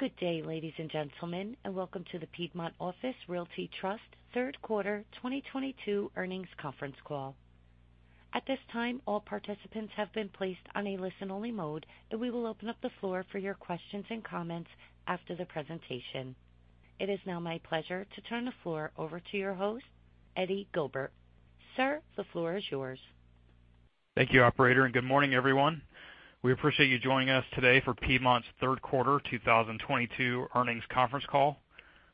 Good day, ladies and gentlemen, and welcome to the Piedmont Office Realty Trust Third Quarter 2022 Earnings Conference Call. At this time, all participants have been placed on a listen-only mode, and we will open up the floor for your questions and comments after the presentation. It is now my pleasure to turn the floor over to your host, Eddie Guilbert. Sir, the floor is yours. Thank you, operator, and good morning, everyone. We appreciate you joining us today for Piedmont's Third Quarter 2022 Earnings Conference Call.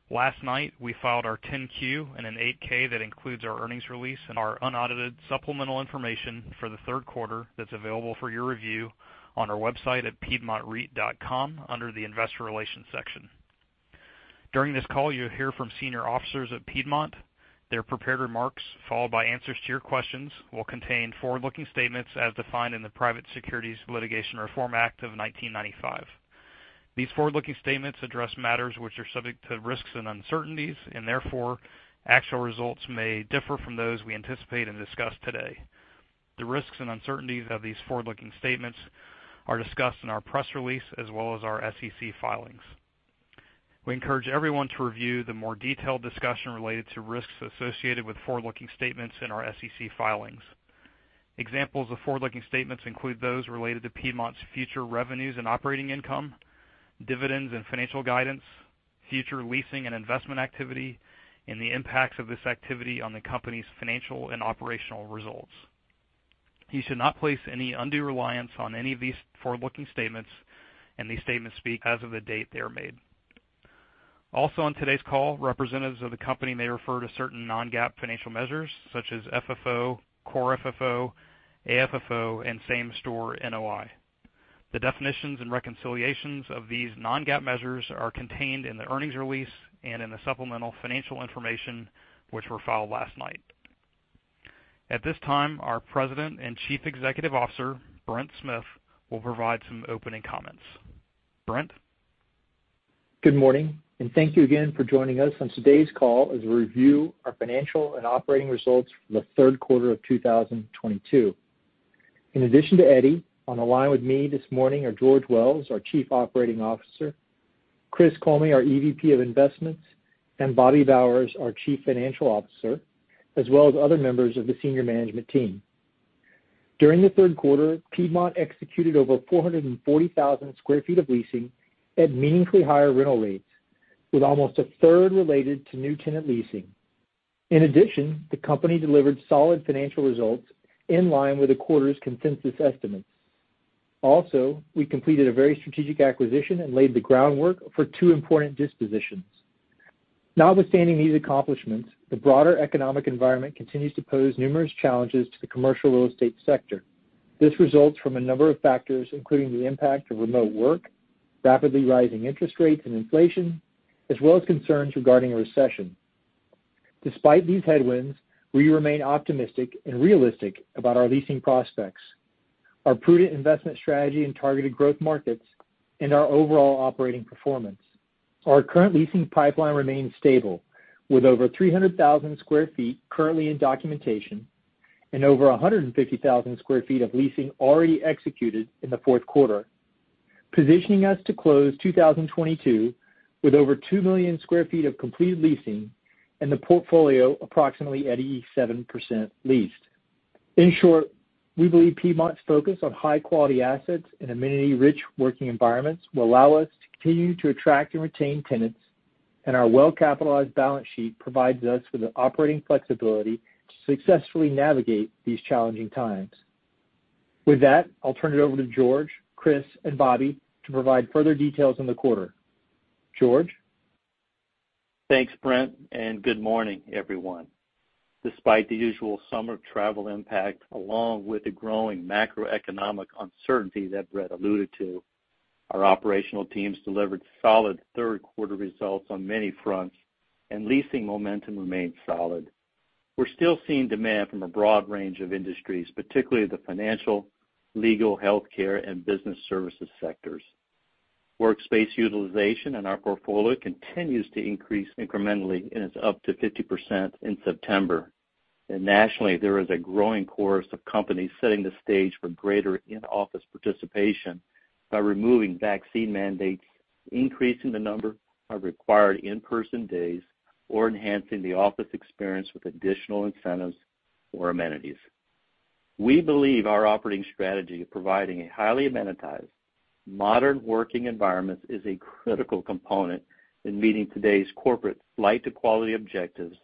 Last night, we filed our 10-Q and an 8-K that includes our earnings release and our unaudited supplemental information for the third quarter that's available for your review on our website at piedmontreit.com under the Investor Relations section. During this call, you'll hear from senior officers at Piedmont. Their prepared remarks, followed by answers to your questions, will contain forward-looking statements as defined in the Private Securities Litigation Reform Act of 1995. These forward-looking statements address matters which are subject to risks and uncertainties, and therefore, actual results may differ from those we anticipate and discuss today. The risks and uncertainties of these forward-looking statements are discussed in our press release as well as our SEC filings. We encourage everyone to review the more detailed discussion related to risks associated with forward-looking statements in our SEC filings. Examples of forward-looking statements include those related to Piedmont's future revenues and operating income, dividends and financial guidance, future leasing and investment activity, and the impacts of this activity on the company's financial and operational results. You should not place any undue reliance on any of these forward-looking statements, and these statements speak as of the date they are made. Also on today's call, representatives of the company may refer to certain non-GAAP financial measures such as FFO, core FFO, AFFO, and same-store NOI. The definitions and reconciliations of these non-GAAP measures are contained in the earnings release and in the supplemental financial information which were filed last night. At this time, our President and Chief Executive Officer, Brent Smith, will provide some opening comments. Brent? Good morning, and thank you again for joining us on today's call as we review our financial and operating results for the third quarter of 2022. In addition to Eddie, on the line with me this morning are George Wells, our Chief Operating Officer, Chris Kollme, our EVP of Investments, and Bobby Bowers, our Chief Financial Officer, as well as other members of the senior management team. During the third quarter, Piedmont executed over 440,000 sq ft of leasing at meaningfully higher rental rates, with almost a third related to new tenant leasing. In addition, the company delivered solid financial results in line with the quarter's consensus estimates. Also, we completed a very strategic acquisition and laid the groundwork for two important dispositions. Notwithstanding these accomplishments, the broader economic environment continues to pose numerous challenges to the commercial real estate sector. This results from a number of factors, including the impact of remote work, rapidly rising interest rates and inflation, as well as concerns regarding a recession. Despite these headwinds, we remain optimistic and realistic about our leasing prospects, our prudent investment strategy in targeted growth markets, and our overall operating performance. Our current leasing pipeline remains stable, with over 300,000 sq ft currently in documentation and over 150,000 sq ft of leasing already executed in the fourth quarter, positioning us to close 2022 with over 2 million sq ft of completed leasing and the portfolio approximately at 87% leased. In short, we believe Piedmont's focus on high-quality assets and amenity-rich working environments will allow us to continue to attract and retain tenants, and our well-capitalized balance sheet provides us with the operating flexibility to successfully navigate these challenging times. With that, I'll turn it over to George, Chris, and Bobby to provide further details on the quarter. George? Thanks, Brent, and good morning, everyone. Despite the usual summer travel impact, along with the growing macroeconomic uncertainty that Brent alluded to, our operational teams delivered solid third quarter results on many fronts, and leasing momentum remained solid. We're still seeing demand from a broad range of industries, particularly the financial, legal, healthcare, and business services sectors. Workspace utilization in our portfolio continues to increase incrementally and is up to 50% in September. Nationally, there is a growing chorus of companies setting the stage for greater in-office participation by removing vaccine mandates, increasing the number of required in-person days, or enhancing the office experience with additional incentives or amenities. We believe our operating strategy of providing a highly amenitized, modern working environment is a critical component in meeting today's corporate flight to quality objectives,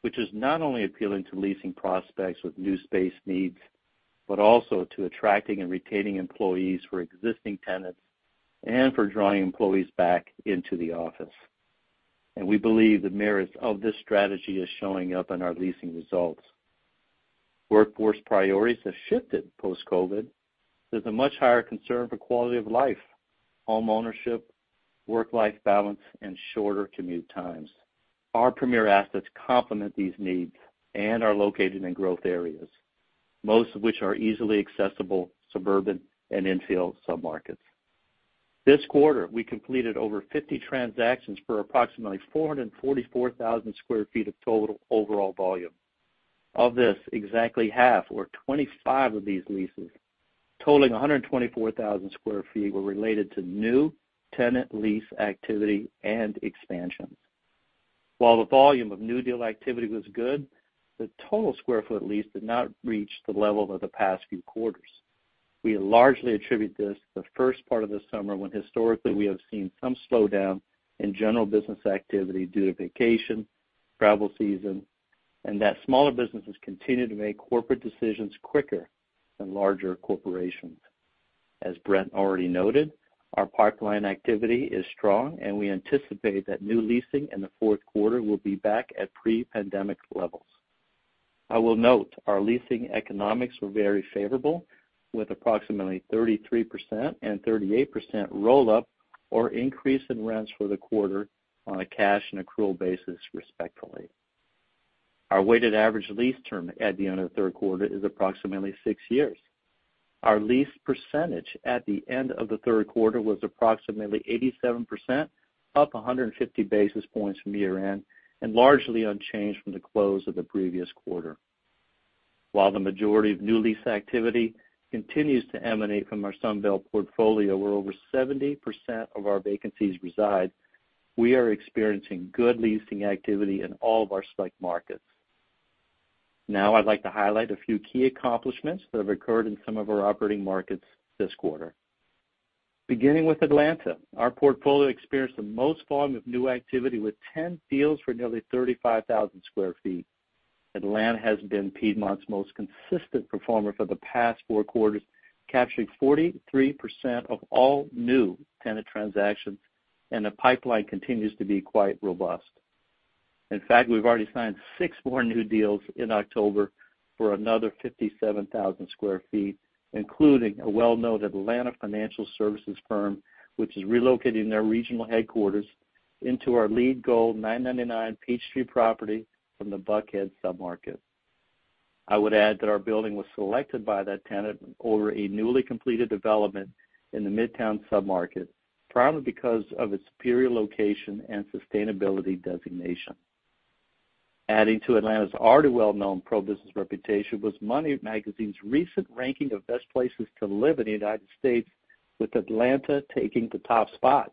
which is not only appealing to leasing prospects with new space needs, but also to attracting and retaining employees for existing tenants and for drawing employees back into the office. We believe the merits of this strategy is showing up in our leasing results. Workforce priorities have shifted post-COVID. There's a much higher concern for quality of life, home ownership, work-life balance, and shorter commute times. Our premier assets complement these needs and are located in growth areas, most of which are easily accessible suburban and infill submarkets. This quarter, we completed over 50 transactions for approximately 444,000 sq ft of total overall volume. Of this, exactly half or 25 of these leases, totaling 124,000 sq ft, were related to new tenant lease activity and expansions. While the volume of new deal activity was good, the total square footage did not reach the level of the past few quarters. We largely attribute this to the first part of the summer when historically we have seen some slowdown in general business activity due to vacation, travel season, and that smaller businesses continue to make corporate decisions quicker than larger corporations. As Brent already noted, our pipeline activity is strong, and we anticipate that new leasing in the fourth quarter will be back at pre-pandemic levels. I will note our leasing economics were very favorable, with approximately 33% and 38% roll up or increase in rents for the quarter on a cash and accrual basis, respectively. Our weighted average lease term at the end of the third quarter is approximately six years. Our lease percentage at the end of the third quarter was approximately 87%, up 150 basis points from year-end and largely unchanged from the close of the previous quarter. While the majority of new lease activity continues to emanate from our Sunbelt portfolio where over 70% of our vacancies reside, we are experiencing good leasing activity in all of our select markets. Now I'd like to highlight a few key accomplishments that have occurred in some of our operating markets this quarter. Beginning with Atlanta, our portfolio experienced the most volume of new activity with 10 deals for nearly 35,000 sq ft. Atlanta has been Piedmont's most consistent performer for the past four quarters, capturing 43% of all new tenant transactions, and the pipeline continues to be quite robust. In fact, we've already signed six more new deals in October for another 57,000 sq ft, including a well-known Atlanta financial services firm, which is relocating their regional headquarters into our LEED Gold 999 Peachtree property from the Buckhead sub-market. I would add that our building was selected by that tenant over a newly completed development in the midtown sub-market, primarily because of its superior location and sustainability designation. Adding to Atlanta's already well-known pro-business reputation was Money Magazine's recent ranking of best places to live in the United States, with Atlanta taking the top spot.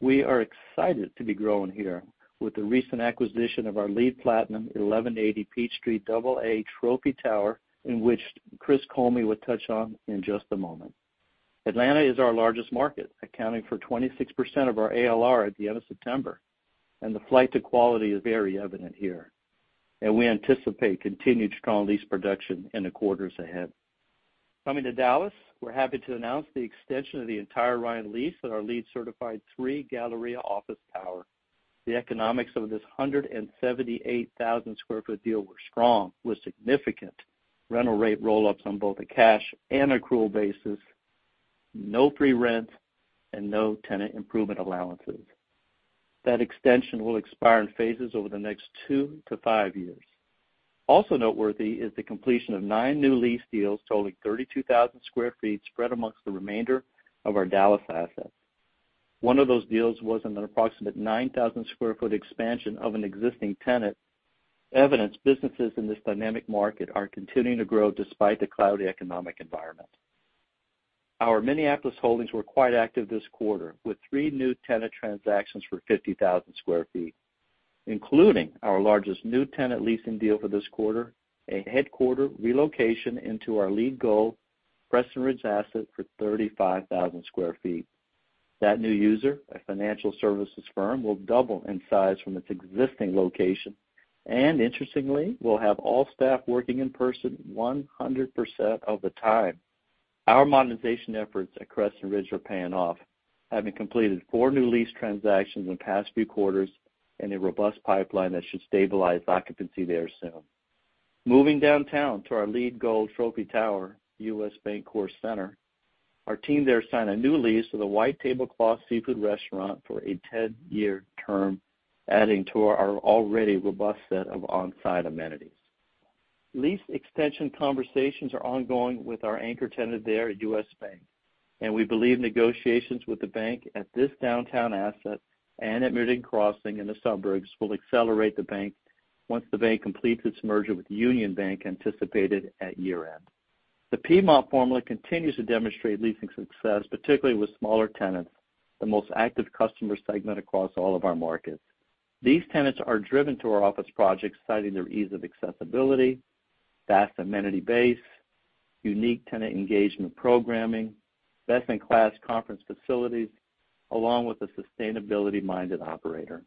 We are excited to be growing here with the recent acquisition of our LEED Platinum 1180 Peachtree AA Trophy Tower, in which Chris Kollme will touch on in just a moment. Atlanta is our largest market, accounting for 26% of our ALR at the end of September, and the flight to quality is very evident here. We anticipate continued strong lease production in the quarters ahead. Coming to Dallas, we're happy to announce the extension of the entire Ryan lease at our LEED-certified three Galleria office tower. The economics of this 178,000 sq ft deal were strong with significant rental rate roll-ups on both a cash and accrual basis, no free rent, and no tenant improvement allowances. That extension will expire in phases over the next 2-5 years. Also noteworthy is the completion of nine new lease deals totaling 32,000 sq ft spread amongst the remainder of our Dallas assets. One of those deals was an approximate 9,000 sq ft expansion of an existing tenant. Evidently, businesses in this dynamic market are continuing to grow despite the cloudy economic environment. Our Minneapolis holdings were quite active this quarter, with three new tenant transactions for 50,000 sq ft, including our largest new tenant leasing deal for this quarter, a headquarters relocation into our LEED Gold Crescent Ridge II asset for 35,000 sq ft. That new user, a financial services firm, will double in size from its existing location, and interestingly, will have all staff working in person 100% of the time. Our monetization efforts at Crescent Ridge II are paying off, having completed four new lease transactions in the past few quarters and a robust pipeline that should stabilize occupancy there soon. Moving downtown to our LEED Gold Trophy tower, U.S. Bancorp Center, our team there signed a new lease with a white tablecloth seafood restaurant for a 10-year term, adding to our already robust set of on-site amenities. Lease extension conversations are ongoing with our anchor tenant there at U.S. Bank, and we believe negotiations with the bank at this downtown asset and at Meridian Crossing in the suburbs will accelerate once the bank completes its merger with Union Bank, anticipated at year-end. The PMO formula continues to demonstrate leasing success, particularly with smaller tenants, the most active customer segment across all of our markets. These tenants are driven to our office projects, citing their ease of accessibility, vast amenity base, unique tenant engagement programming, best-in-class conference facilities, along with a sustainability-minded operator.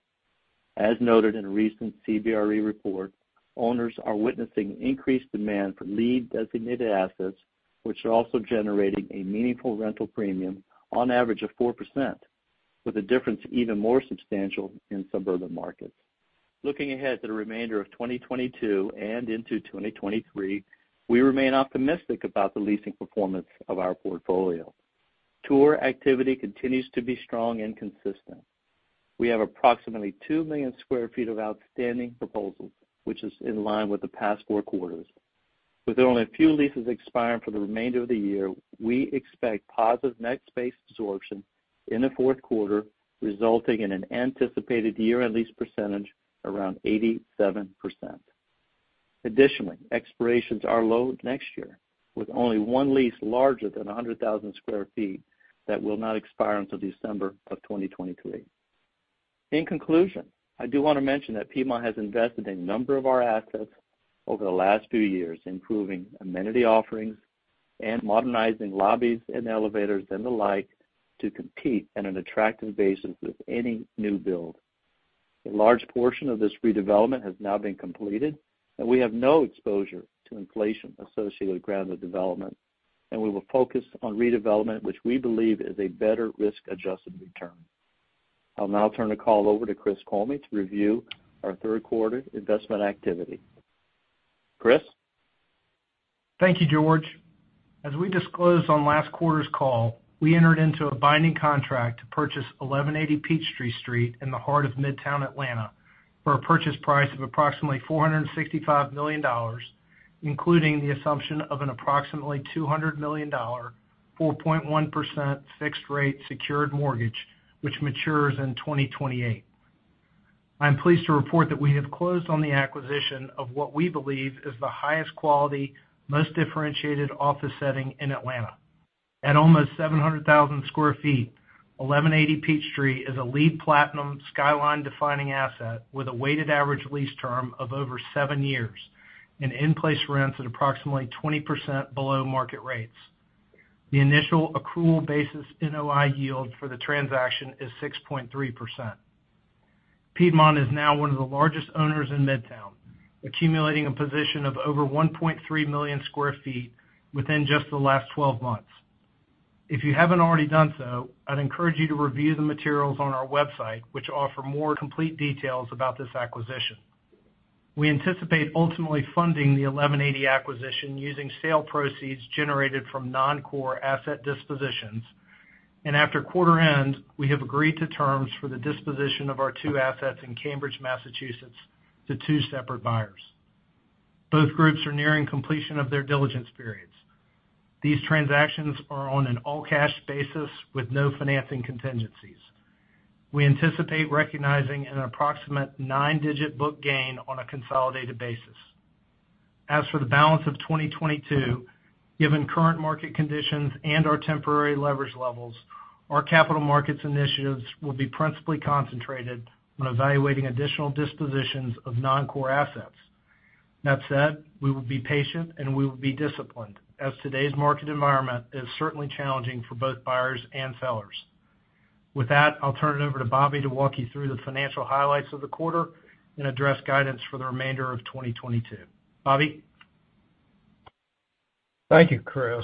As noted in a recent CBRE report, owners are witnessing increased demand for LEED designated assets, which are also generating a meaningful rental premium on average of 4%, with a difference even more substantial in suburban markets. Looking ahead to the remainder of 2022 and into 2023, we remain optimistic about the leasing performance of our portfolio. Tour activity continues to be strong and consistent. We have approximately 2 million sq ft of outstanding proposals, which is in line with the past four quarters. With only a few leases expiring for the remainder of the year, we expect positive net space absorption in the fourth quarter, resulting in an anticipated year-end lease percentage around 87%. Additionally, expirations are low next year, with only one lease larger than 100,000 sq ft that will not expire until December 2023. In conclusion, I do want to mention that Piedmont has invested in a number of our assets over the last few years, improving amenity offerings and modernizing lobbies and elevators and the like to compete on an attractive basis with any new build. A large portion of this redevelopment has now been completed, and we have no exposure to inflation associated with ground development, and we will focus on redevelopment, which we believe is a better risk-adjusted return. I'll now turn the call over to Chris Kollme to review our third quarter investment activity. Chris? Thank you, George. As we disclosed on last quarter's call, we entered into a binding contract to purchase 1180 Peachtree Street in the heart of Midtown Atlanta for a purchase price of approximately $465 million, including the assumption of an approximately $200 million, 4.1% fixed rate secured mortgage, which matures in 2028. I'm pleased to report that we have closed on the acquisition of what we believe is the highest quality, most differentiated office setting in Atlanta. At almost 700,000 sq ft, 1180 Peachtree is a LEED Platinum skyline-defining asset with a weighted average lease term of over seven years and in-place rents at approximately 20% below market rates. The initial accrual basis NOI yield for the transaction is 6.3%. Piedmont is now one of the largest owners in Midtown, accumulating a position of over 1.3 million sq ft within just the last 12 months. If you haven't already done so, I'd encourage you to review the materials on our website, which offer more complete details about this acquisition. We anticipate ultimately funding the 1180 acquisition using sale proceeds generated from non-core asset dispositions. After quarter end, we have agreed to terms for the disposition of our two assets in Cambridge, Massachusetts, to two separate buyers. Both groups are nearing completion of their diligence periods. These transactions are on an all-cash basis with no financing contingencies. We anticipate recognizing an approximate nine-digit book gain on a consolidated basis. As for the balance of 2022, given current market conditions and our temporary leverage levels, our capital markets initiatives will be principally concentrated on evaluating additional dispositions of non-core assets. That said, we will be patient and we will be disciplined, as today's market environment is certainly challenging for both buyers and sellers. With that, I'll turn it over to Bobby to walk you through the financial highlights of the quarter and address guidance for the remainder of 2022. Bobby? Thank you, Chris.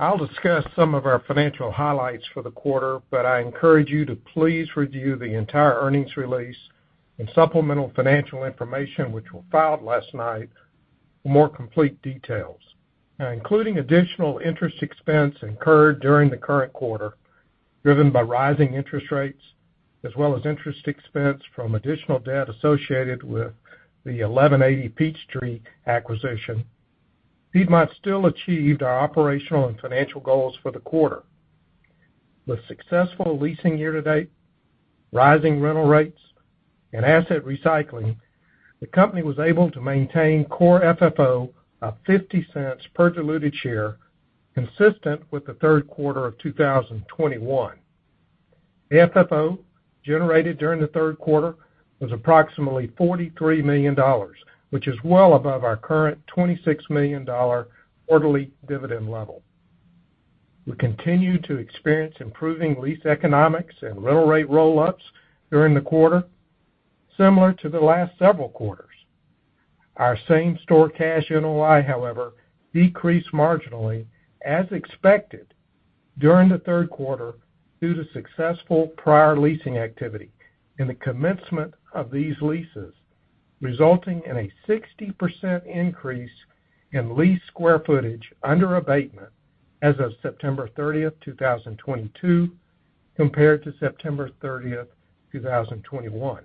I'll discuss some of our financial highlights for the quarter, but I encourage you to please review the entire earnings release and supplemental financial information which were filed last night for more complete details. Now including additional interest expense incurred during the current quarter, driven by rising interest rates as well as interest expense from additional debt associated with the 1180 Peachtree acquisition, Piedmont still achieved our operational and financial goals for the quarter. With successful leasing year to date, rising rental rates, and asset recycling, the company was able to maintain Core FFO of $0.50 per diluted share, consistent with the third quarter of 2021. The FFO generated during the third quarter was approximately $43 million, which is well above our current $26 million dollar quarterly dividend level. We continue to experience improving lease economics and rental rate roll-ups during the quarter, similar to the last several quarters. Our same-store cash NOI, however, decreased marginally as expected during the third quarter due to successful prior leasing activity and the commencement of these leases, resulting in a 60% increase in leased square footage under abatement as of September 30, 2022, compared to September 30, 2021.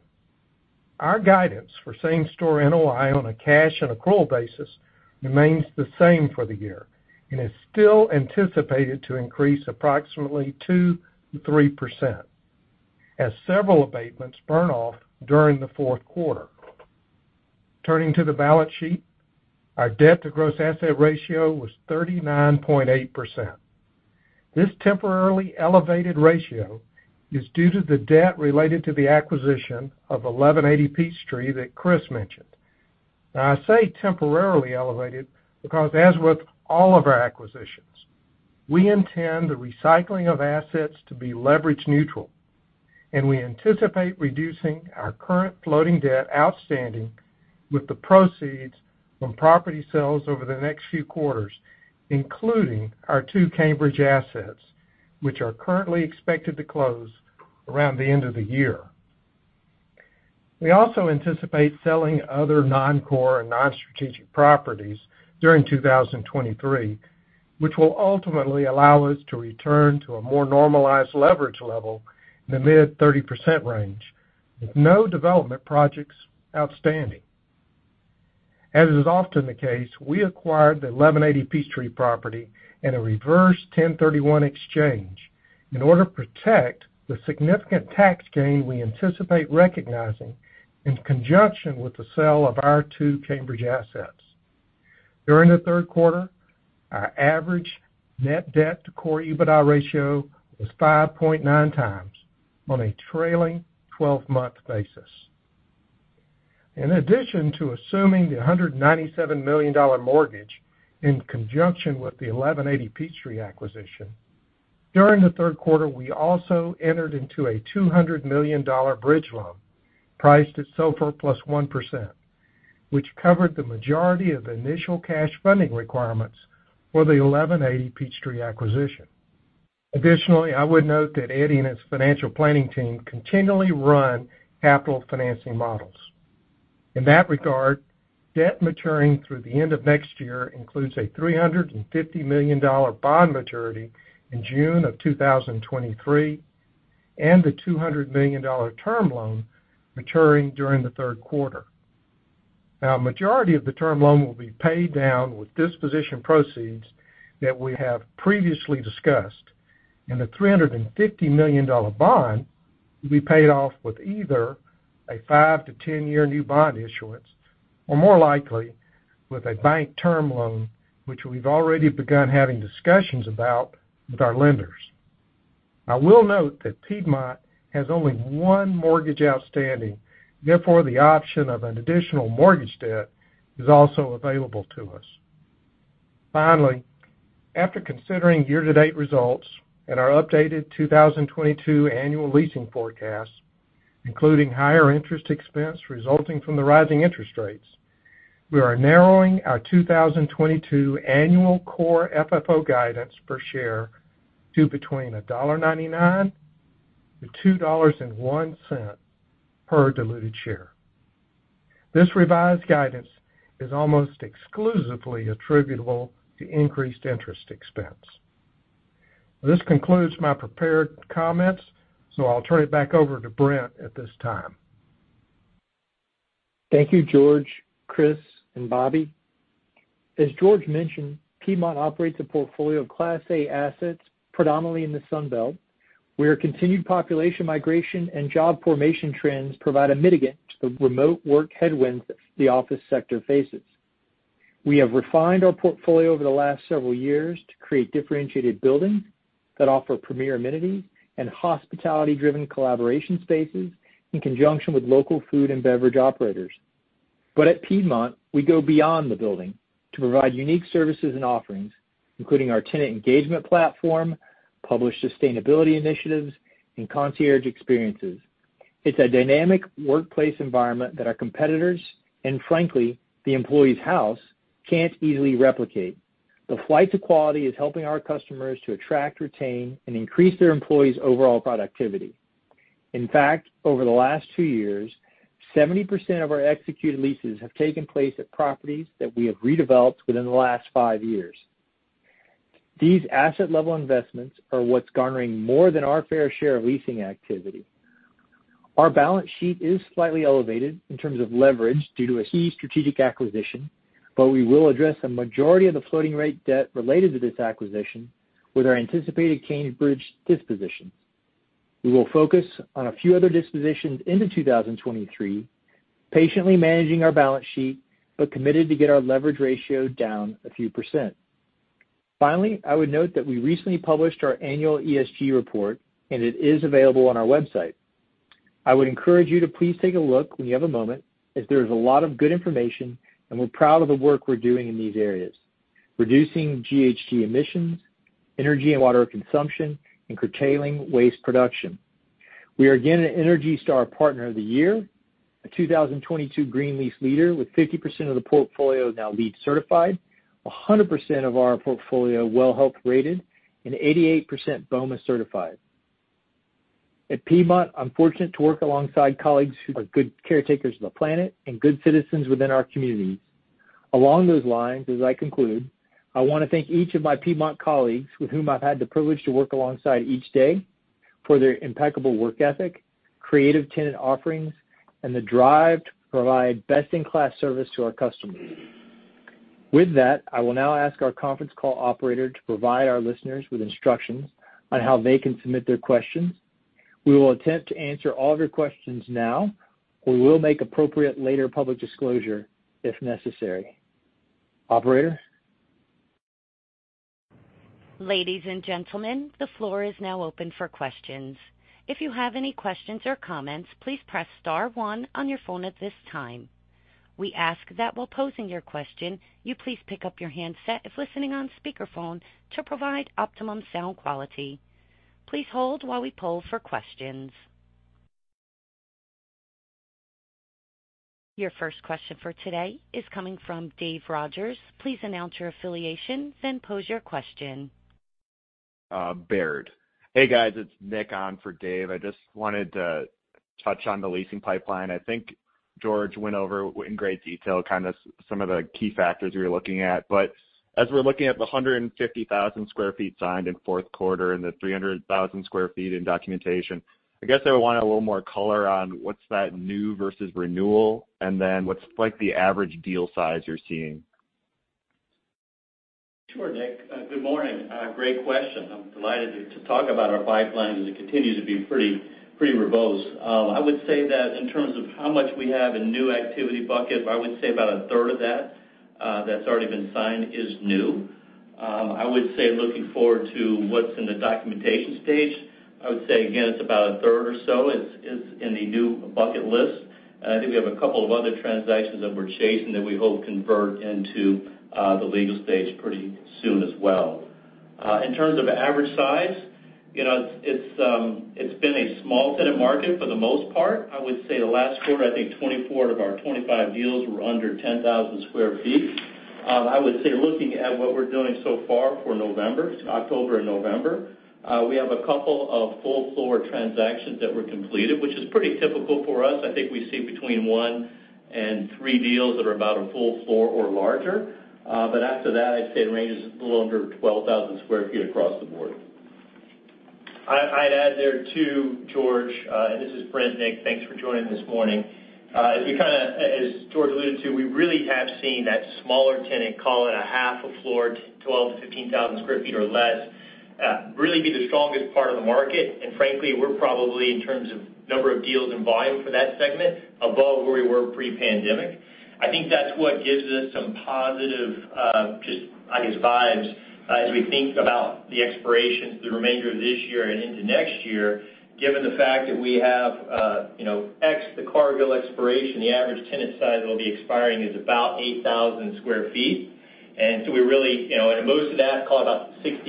Our guidance for same-store NOI on a cash and accrual basis remains the same for the year and is still anticipated to increase approximately 2%-3% as several abatements burn off during the fourth quarter. Turning to the balance sheet, our debt-to-gross asset ratio was 39.8%. This temporarily elevated ratio is due to the debt related to the acquisition of 1180 Peachtree that Chris mentioned. Now I say temporarily elevated because as with all of our acquisitions, we intend the recycling of assets to be leverage neutral, and we anticipate reducing our current floating debt outstanding with the proceeds from property sales over the next few quarters, including our two Cambridge assets, which are currently expected to close around the end of the year. We also anticipate selling other non-core and non-strategic properties during 2023, which will ultimately allow us to return to a more normalized leverage level in the mid-30% range, with no development projects outstanding. As is often the case, we acquired the 1180 Peachtree property in a reverse 1031 exchange in order to protect the significant tax gain we anticipate recognizing in conjunction with the sale of our two Cambridge assets. During the third quarter, our average Net Debt-to-core EBITDA ratio was 5.9x on a trailing twelve-month basis. In addition to assuming the $197 million mortgage in conjunction with the 1180 Peachtree acquisition, during the third quarter, we also entered into a $200 million bridge loan priced at SOFR +1%, which covered the majority of initial cash funding requirements for the 1180 Peachtree acquisition. Additionally, I would note that Eddie and his financial planning team continually run capital financing models. In that regard, debt maturing through the end of next year includes a $350 million bond maturity in June 2023 and the $200 million term loan maturing during the third quarter. Now, a majority of the term loan will be paid down with disposition proceeds that we have previously discussed, and the $350 million bond will be paid off with either a five to 10-year new bond issuance or more likely with a bank term loan, which we've already begun having discussions about with our lenders. I will note that Piedmont has only one mortgage outstanding. Therefore, the option of an additional mortgage debt is also available to us. Finally, after considering year-to-date results and our updated 2022 annual leasing forecast, including higher interest expense resulting from the rising interest rates, we are narrowing our 2022 annual Core FFO guidance per share to between $1.99 and $2.01 per diluted share. This revised guidance is almost exclusively attributable to increased interest expense. This concludes my prepared comments, so I'll turn it back over to Brent at this time. Thank you, George, Chris, and Bobby. As George mentioned, Piedmont operates a portfolio of Class A assets predominantly in the Sunbelt, where continued population migration and job formation trends provide a mitigant to the remote work headwinds the office sector faces. We have refined our portfolio over the last several years to create differentiated buildings that offer premier amenities and hospitality-driven collaboration spaces in conjunction with local food and beverage operators. At Piedmont, we go beyond the building to provide unique services and offerings, including our tenant engagement platform, published sustainability initiatives, and concierge experiences. It's a dynamic workplace environment that our competitors and frankly, the employee's house can't easily replicate. The flight to quality is helping our customers to attract, retain, and increase their employees' overall productivity. In fact, over the last two years, 70% of our executed leases have taken place at properties that we have redeveloped within the last five years. These asset level investments are what's garnering more than our fair share of leasing activity. Our balance sheet is slightly elevated in terms of leverage due to a key strategic acquisition, but we will address a majority of the floating rate debt related to this acquisition with our anticipated Cambridge disposition. We will focus on a few other dispositions into 2023, patiently managing our balance sheet, but committed to get our leverage ratio down a few percent. Finally, I would note that we recently published our annual ESG report, and it is available on our website. I would encourage you to please take a look when you have a moment, as there is a lot of good information, and we're proud of the work we're doing in these areas, reducing GHG emissions, energy and water consumption, and curtailing waste production. We are again an ENERGY STAR Partner of the Year, a 2022 Green Lease Leader with 50% of the portfolio now LEED-certified, 100% of our portfolio WELL Health-Safety rated and 88% BOMA 360 Certified. At Piedmont, I'm fortunate to work alongside colleagues who are good caretakers of the planet and good citizens within our communities. Along those lines, as I conclude, I want to thank each of my Piedmont colleagues with whom I've had the privilege to work alongside each day for their impeccable work ethic, creative tenant offerings, and the drive to provide best-in-class service to our customers. With that, I will now ask our conference call operator to provide our listeners with instructions on how they can submit their questions. We will attempt to answer all of your questions now. We will make appropriate later public disclosure if necessary. Operator? Ladies and gentlemen, the floor is now open for questions. If you have any questions or comments, please press star one on your phone at this time. We ask that while posing your question, you please pick up your handset if listening on speakerphone to provide optimum sound quality. Please hold while we poll for questions. Your first question for today is coming from Dave Rodgers. Please announce your affiliation, then pose your question. Baird. Hey guys, it's Nick on for Dave. I just wanted to touch on the leasing pipeline. I think George went over in great detail kind of some of the key factors we were looking at. As we're looking at the 150,000 sq ft signed in fourth quarter and the 300,000 sq ft in documentation, I guess I would want a little more color on what's that new versus renewal, and then what's like the average deal size you're seeing? Sure, Nick. Good morning. Great question. I'm delighted to talk about our pipeline as it continues to be pretty robust. I would say that in terms of how much we have in new activity bucket, but I would say about a third of that that's already been signed is new. I would say looking forward to what's in the documentation stage, I would say again it's about a third or so is in the new bucket list. I think we have a couple of other transactions that we're chasing that we hope convert into the legal stage pretty soon as well. In terms of average size, you know, it's been a small tenant market for the most part. I would say the last quarter, I think 24 of our 25 deals were under 10,000 sq ft. I would say looking at what we're doing so far for November, October and November, we have a couple of full floor transactions that were completed, which is pretty typical for us. I think we see between one and three deals that are about a full floor or larger. After that, I'd say the range is a little under 12,000 sq ft across the board. I'd add there too, George, and this is Brent, Nick. Thanks for joining this morning. As we kinda as George alluded to, we really have seen that smaller tenant call it a half a floor, 12,000-15,000 sq ft or less, really be the strongest part of the market. Frankly, we're probably in terms of number of deals and volume for that segment above where we were pre-pandemic. I think that's what gives us some positive, just, I guess, vibes, as we think about the expirations the remainder of this year and into next year, given the fact that we have, you know, the Cargill expiration, the average tenant size that will be expiring is about 8,000 sq ft. We really, you know, and most of that call about 60%-65%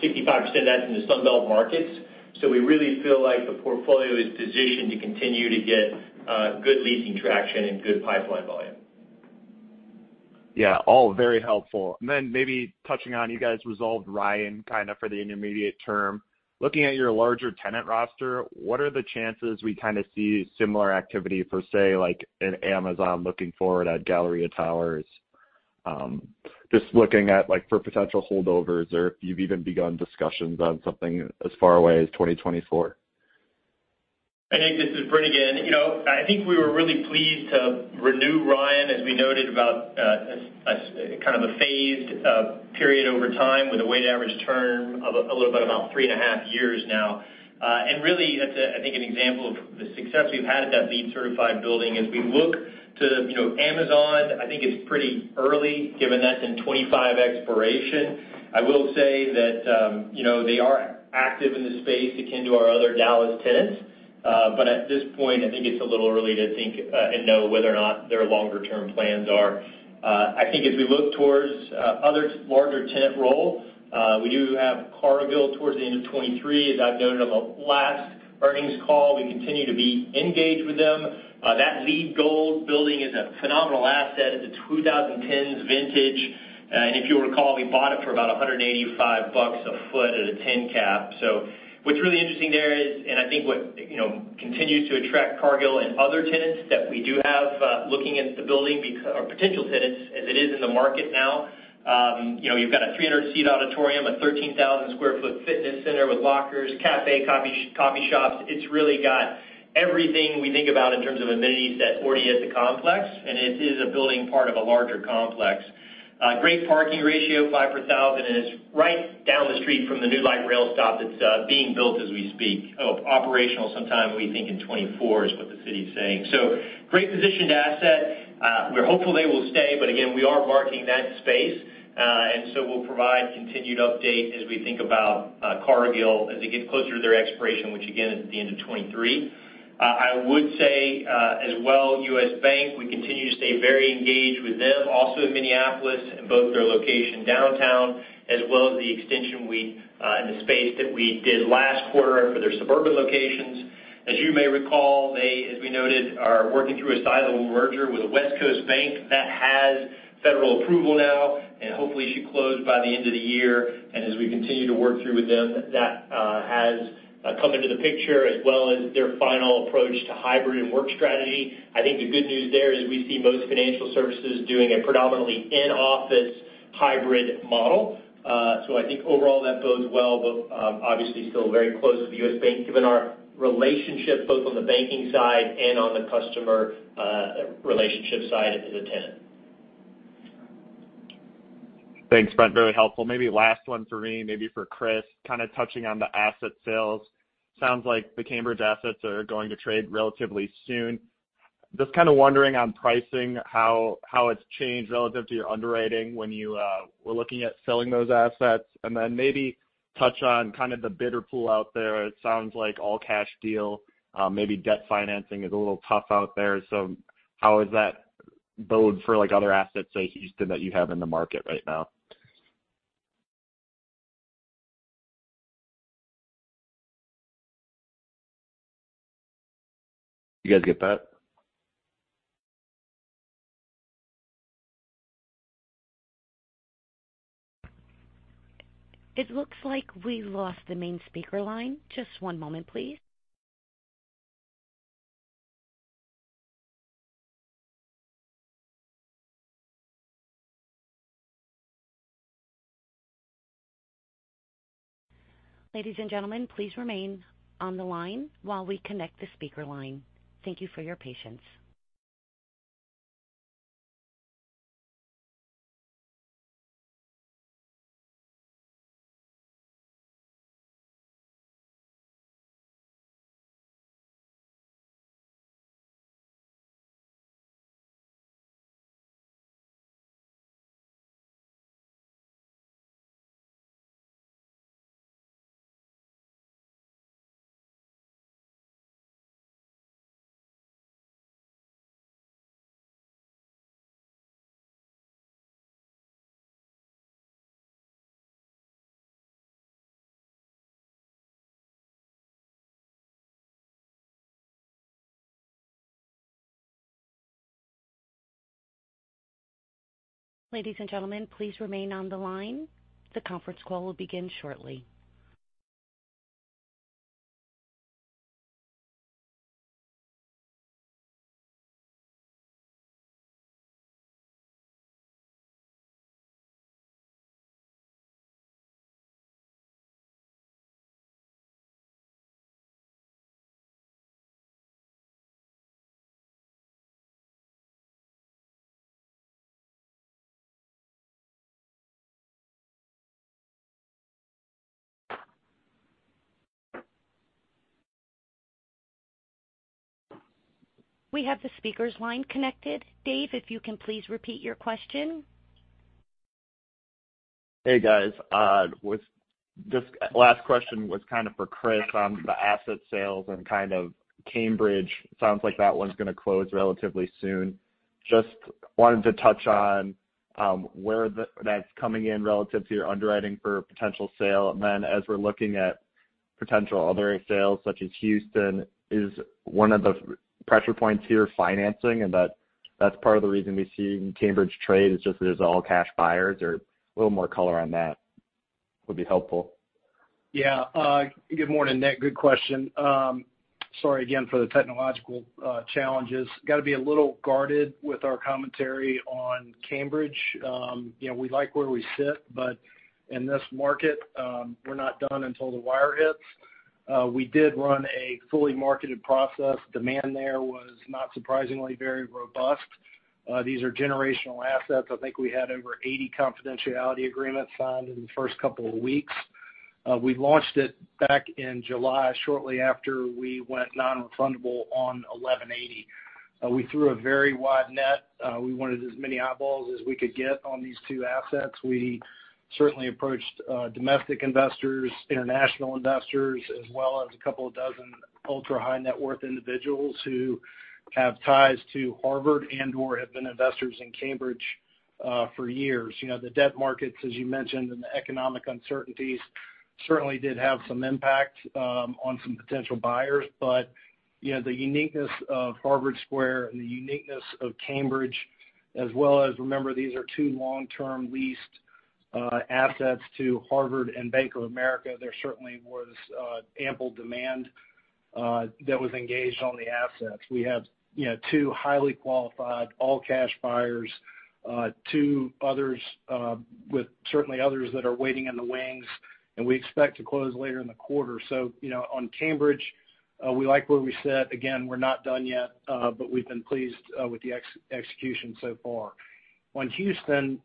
of that's in the Sunbelt markets. We really feel like the portfolio is positioned to continue to get good leasing traction and good pipeline volume. Yeah, all very helpful. Maybe touching on you guys resolved Ryan kind of for the intermediate term. Looking at your larger tenant roster, what are the chances we kind of see similar activity for, say, like an Amazon looking forward at Galleria Towers? Just looking at like for potential holdovers or if you've even begun discussions on something as far away as 2024. Nick, this is Brent again. You know, I think we were really pleased to renew Ryan, as we noted, about kind of a phased period over time with a weighted average term of a little bit about three and a half years now. Really that's, I think, an example of the success we've had at that LEED-certified building. As we look to, you know, Amazon, I think it's pretty early given that's in 2025 expiration. I will say that, you know, they are active in the space akin to our other Dallas tenants. At this point, I think it's a little early to think and know whether or not their longer term plans are. I think as we look towards other larger tenant roll, we do have Cargill towards the end of 2023. As I've noted on the last earnings call, we continue to be engaged with them. That LEED Gold building is a phenomenal asset. It's a 2010s vintage. And if you'll recall, we bought it for about $185 a foot at a 10-Cap. What's really interesting there is, and I think what, you know, continues to attract Cargill and other tenants that we do have, looking into the building or potential tenants as it is in the market now, you know, you've got a 300-seat auditorium, a 13,000 sq ft fitness center with lockers, cafe, coffee shops. It's really got everything we think about in terms of amenities that are already at the complex, and it is a building part of a larger complex. Great parking ratio, five per 1000, and it's right down the street from the new light rail stop that's being built as we speak. Operational sometime we think in 2024 is what the city is saying. Great positioned asset. We're hopeful they will stay, but again, we are marketing that space. We'll provide continued update as we think about Cargill as they get closer to their expiration, which again is at the end of 2023. I would say, as well, U.S. Bank, we continue to stay very engaged with them also in Minneapolis, in both their location downtown as well as the extension in the space that we did last quarter for their suburban locations. As you may recall, they, as we noted, are working through a silo merger with a West Coast bank that has federal approval now and hopefully should close by the end of the year. As we continue to work through with them, that has come into the picture as well as their final approach to hybrid and work strategy. I think the good news there is we see most financial services doing a predominantly in-office hybrid model. I think overall that bodes well, but obviously still very close with U.S. Bank given our relationship both on the banking side and on the customer relationship side as a tenant. Thanks, Brent. Very helpful. Maybe last one for me, maybe for Chris, kind of touching on the asset sales. Sounds like the Cambridge assets are going to trade relatively soon. Just kind of wondering on pricing, how it's changed relative to your underwriting when you were looking at selling those assets. Then maybe touch on kind of the bidder pool out there. It sounds like all cash deal. Maybe debt financing is a little tough out there. How is that bode for like other assets say Houston that you have in the market right now? You guys get that? It looks like we lost the main speaker line. Just one moment please. Ladies and gentlemen, please remain on the line while we connect the speaker line. Thank you for your patience. Ladies and gentlemen, please remain on the line. The conference call will begin shortly. We have the speaker's line connected. Dave, if you can please repeat your question. Hey, guys. This last question is kind of for Chris on the asset sales and kind of Cambridge. Sounds like that one's gonna close relatively soon. Just wanted to touch on where that's coming in relative to your underwriting for potential sale. As we're looking at potential other sales such as Houston, is one of the pressure points here financing? That's part of the reason we see Cambridge trade is just that it's all cash buyers or a little more color on that would be helpful. Yeah. Good morning, Nick. Good question. Sorry again for the technological challenges. Got to be a little guarded with our commentary on Cambridge. You know, we like where we sit, but in this market, we're not done until the wire hits. We did run a fully marketed process. Demand there was not surprisingly very robust. These are generational assets. I think we had over 80 confidentiality agreements signed in the first couple of weeks. We launched it back in July, shortly after we went non-refundable on 1180. We threw a very wide net. We wanted as many eyeballs as we could get on these two assets. We certainly approached domestic investors, international investors, as well as a couple of dozen ultra-high net worth individuals who have ties to Harvard and or have been investors in Cambridge for years. You know, the debt markets, as you mentioned, and the economic uncertainties certainly did have some impact on some potential buyers. You know, the uniqueness of Harvard Square and the uniqueness of Cambridge, as well as remember, these are two long-term leased assets to Harvard and Bank of America. There certainly was ample demand that was engaged on the assets. We have, you know, two highly qualified all cash buyers, two others, with certainly others that are waiting in the wings, and we expect to close later in the quarter. You know, on Cambridge, we like where we sit. Again, we're not done yet, but we've been pleased with the execution so far. On Houston,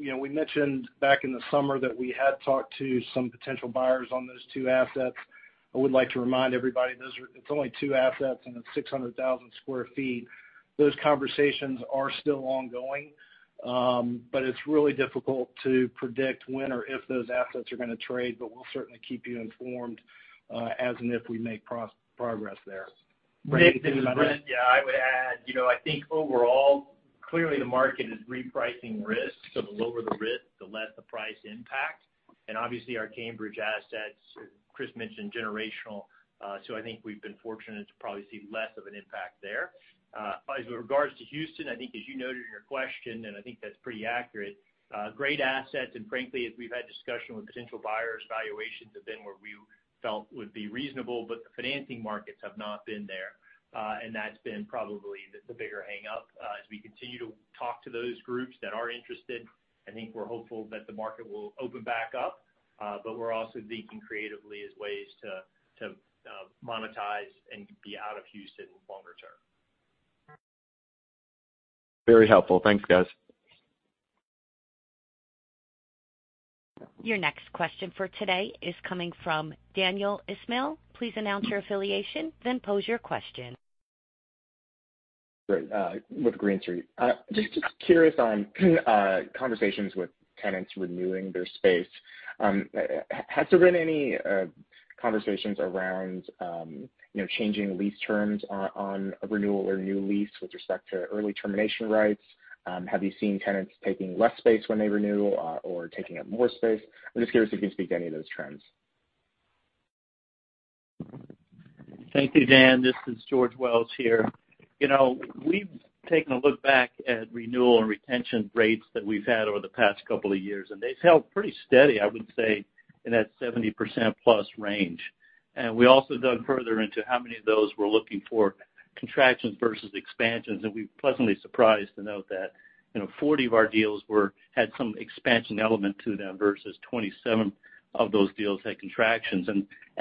you know, we mentioned back in the summer that we had talked to some potential buyers on those two assets. I would like to remind everybody, it's onlytwo assets, and it's 600,000 sq ft. Those conversations are still ongoing, but it's really difficult to predict when or if those assets are gonna trade. We'll certainly keep you informed as and if we make progress there. Brent, anything to add? Nick, this is Brent. Yeah, I would add, you know, I think overall, clearly the market is repricing risk. The lower the risk, the less the price impact. Obviously our Cambridge assets, Chris mentioned generational. I think we've been fortunate to probably see less of an impact there. As with regards to Houston, I think as you noted in your question, and I think that's pretty accurate, great assets and frankly, as we've had discussion with potential buyers, valuations have been where we felt would be reasonable, but the financing markets have not been there. That's been probably the bigger hangup. As we continue to talk to those groups that are interested, I think we're hopeful that the market will open back up. We're also thinking creatively about ways to monetize and get out of Houston longer term. Very helpful. Thanks, guys. Your next question for today is coming from Daniel Ismail. Please announce your affiliation, then pose your question. Great. With Green Street. Just curious on conversations with tenants renewing their space. Has there been any conversations around, you know, changing lease terms on a renewal or new lease with respect to early termination rights? Have you seen tenants taking less space when they renew, or taking up more space? I'm just curious if you can speak to any of those trends. Thank you, Dan. This is George Wells here. You know, we've taken a look back at renewal and retention rates that we've had over the past couple of years, and they've held pretty steady, I would say in that 70%+ range. We also dug further into how many of those were looking for contractions versus expansions, and we're pleasantly surprised to note that, you know, 40 of our deals had some expansion element to them versus 27 of those deals had contractions.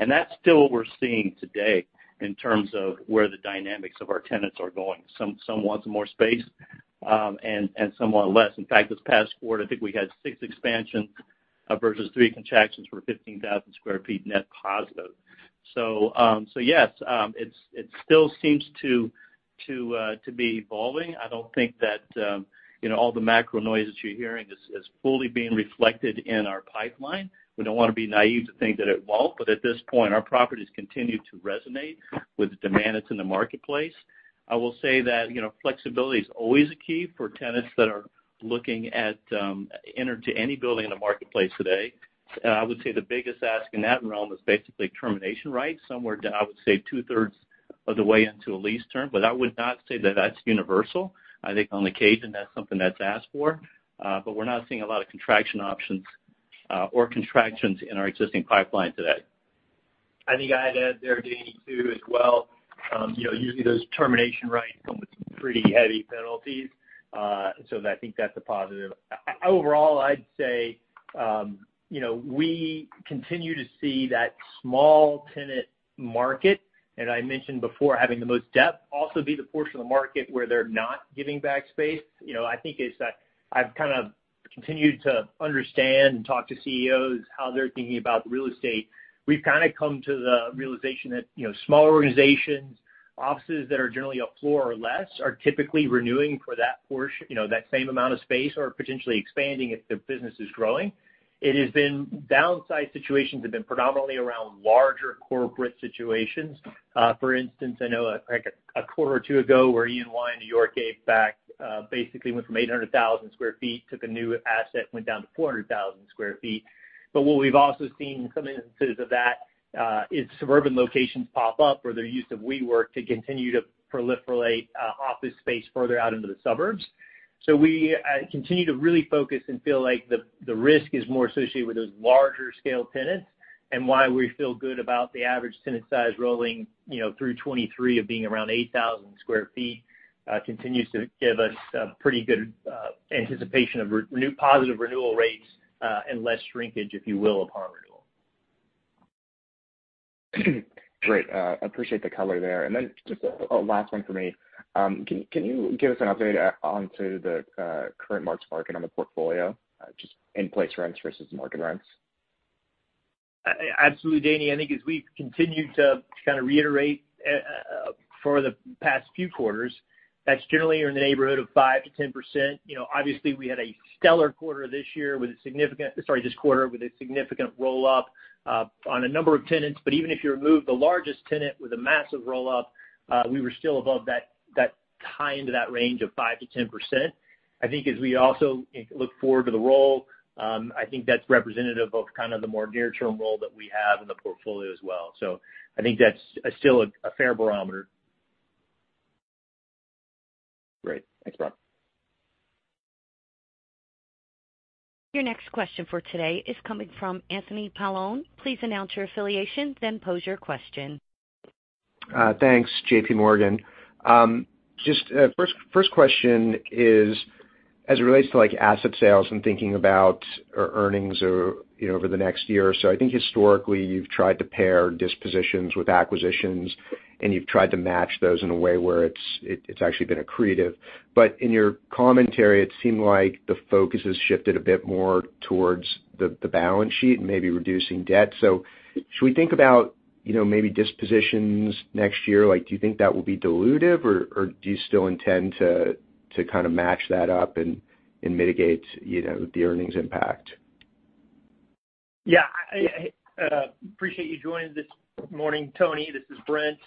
That's still what we're seeing today in terms of where the dynamics of our tenants are going. Some want some more space, and some want less. In fact, this past quarter, I think we had six expansions versus three contractions for 15,000 sq ft net positive. Yes, it still seems to be evolving. I don't think that, you know, all the macro noise that you're hearing is fully being reflected in our pipeline. We don't wanna be naive to think that it won't, but at this point, our properties continue to resonate with the demand that's in the marketplace. I will say that, you know, flexibility is always a key for tenants that are looking at entering into any building in the marketplace today. I would say the biggest ask in that realm is basically termination rights, somewhere, I would say two-thirds of the way into a lease term, but I would not say that that's universal. I think on occasion, that's something that's asked for, but we're not seeing a lot of contraction options or contractions in our existing pipeline today. I think I'd add there, Daniel, too, as well, you know, usually those termination rights come with pretty heavy penalties. I think that's a positive. Overall, I'd say, you know, we continue to see that small tenant market, and I mentioned before, having the most depth also be the portion of the market where they're not giving back space. You know, I think as I've kind of continued to understand and talk to CEOs, how they're thinking about real estate, we've kind of come to the realization that, you know, small organizations, offices that are generally a floor or less, are typically renewing for that portion, you know, that same amount of space or potentially expanding if their business is growing. Downsize situations have been predominantly around larger corporate situations. For instance, I know, like, a quarter or two ago where EY in New York gave back, basically went from 800,000 sq ft, took a new asset, went down to 400,000 sq ft. What we've also seen some instances of that is suburban locations pop up or their use of WeWork to continue to proliferate office space further out into the suburbs. We continue to really focus and feel like the risk is more associated with those larger scale tenants and why we feel good about the average tenant size rolling, you know, through 2023 of being around 8,000 sq ft continues to give us a pretty good anticipation of positive renewal rates and less shrinkage, if you will, upon renewal. Great. Appreciate the color there. Then just a last one for me. Can you give us an update on the current market on the portfolio, just in-place rents versus market rents? Absolutely, Danny. I think as we've continued to kind of reiterate, for the past few quarters, that's generally in the neighborhood of 5%-10%. You know, obviously, we had a stellar quarter this quarter with a significant roll-up on a number of tenants. But even if you remove the largest tenant with a massive roll-up, we were still above that high end of that range of 5%-10%. I think as we also look forward to the roll, I think that's representative of kind of the more near-term roll that we have in the portfolio as well. I think that's still a fair barometer. Great. Thanks, Brent. Your next question for today is coming from Anthony Paolone. Please announce your affiliation, then pose your question. Thanks, J.P. Morgan. Just, first question is as it relates to like asset sales and thinking about our earnings, you know, over the next year or so. I think historically you've tried to pair dispositions with acquisitions, and you've tried to match those in a way where it's actually been accretive. But in your commentary, it seemed like the focus has shifted a bit more towards the balance sheet and maybe reducing debt. So should we think about, you know, maybe dispositions next year? Like, do you think that will be dilutive, or do you still intend to kind of match that up and mitigate, you know, the earnings impact? Yeah. I appreciate you joining this morning, Tony. This is Brent.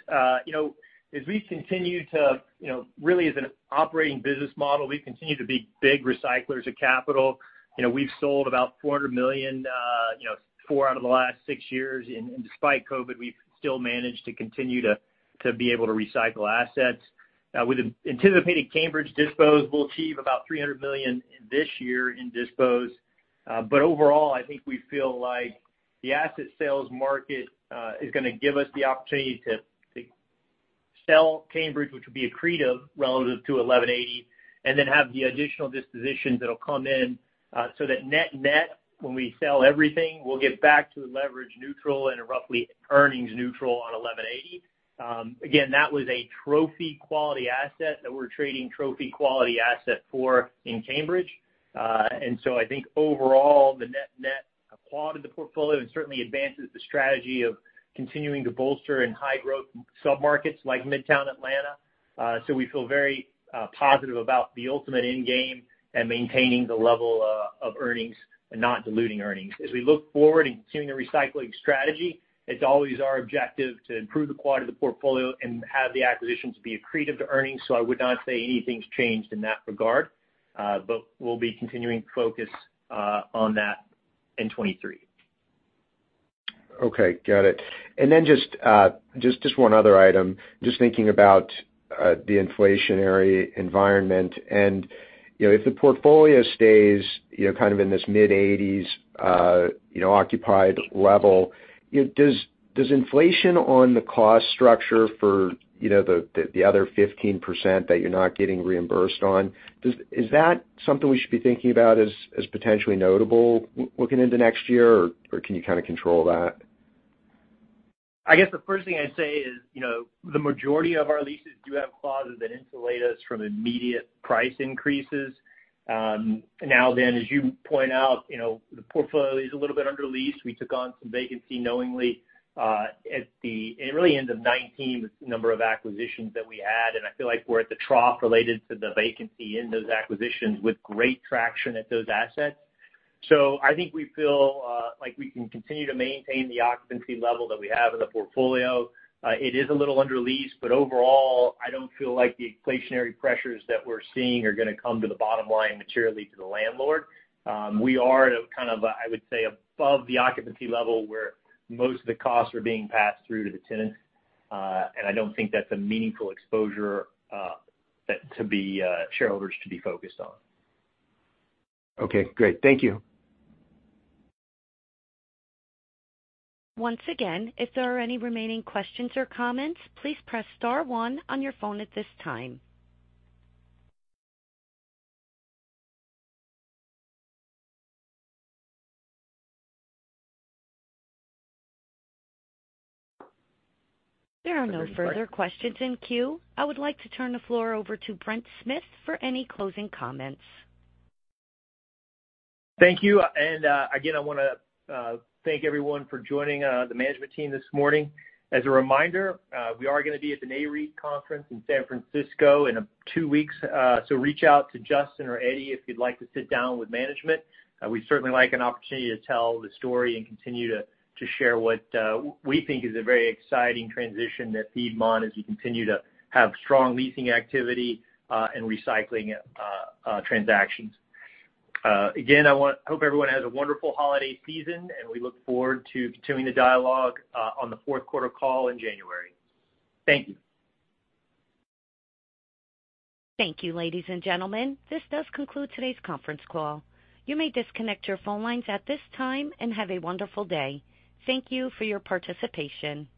You know, as we continue to, you know, really as an operating business model, we've continued to be big recyclers of capital. You know, we've sold about $400 million four out of the last six years. Despite COVID, we've still managed to continue to be able to recycle assets. With an anticipated Cambridge disposition, we'll achieve about $300 million this year in dispose. But overall, I think we feel like the asset sales market is gonna give us the opportunity to sell Cambridge, which will be accretive relative to 1180, and then have the additional dispositions that'll come in, so that net-net, when we sell everything, we'll get back to leverage neutral and roughly earnings neutral on 1180. Again, that was a trophy quality asset that we're trading trophy quality asset for in Cambridge. I think overall, the net-net quality of the portfolio and certainly advances the strategy of continuing to bolster in high growth submarkets like Midtown Atlanta. We feel very positive about the ultimate end game and maintaining the level of earnings and not diluting earnings. As we look forward in continuing the recycling strategy, it's always our objective to improve the quality of the portfolio and have the acquisitions be accretive to earnings. I would not say anything's changed in that regard. We'll be continuing focus on that in 2023. Okay, got it. Just one other item. Just thinking about the inflationary environment and, you know, if the portfolio stays, you know, kind of in this mid-80%s, you know, occupied level, you know, does inflation on the cost structure for, you know, the other 15% that you're not getting reimbursed on, is that something we should be thinking about as potentially notable looking into next year, or can you kind of control that? I guess the first thing I'd say is, you know, the majority of our leases do have clauses that insulate us from immediate price increases. Now then, as you point out, you know, the portfolio is a little bit under leased. We took on some vacancy knowingly, at the early end of 2019 with the number of acquisitions that we had, and I feel like we're at the trough related to the vacancy in those acquisitions with great traction at those assets. So I think we feel, like we can continue to maintain the occupancy level that we have in the portfolio. It is a little under leased, but overall, I don't feel like the inflationary pressures that we're seeing are gonna come to the bottom line materially to the landlord. We are at a kind of, I would say, above the occupancy level where most of the costs are being passed through to the tenants. I don't think that's a meaningful exposure that shareholders to be focused on. Okay, great. Thank you. Once again, if there are any remaining questions or comments, please press star one on your phone at this time. There are no further questions in queue. I would like to turn the floor over to Brent Smith for any closing comments. Thank you. Again, I wanna thank everyone for joining the management team this morning. As a reminder, we are gonna be at the Nareit Conference in San Francisco in two weeks, so reach out to Justin or Eddie if you'd like to sit down with management. We'd certainly like an opportunity to tell the story and continue to share what we think is a very exciting transition at Piedmont as we continue to have strong leasing activity and recycling transactions. Again, I hope everyone has a wonderful holiday season, and we look forward to continuing the dialogue on the fourth quarter call in January. Thank you. Thank you, ladies and gentlemen. This does conclude today's conference call. You may disconnect your phone lines at this time, and have a wonderful day. Thank you for your participation.